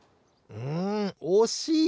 んおしい！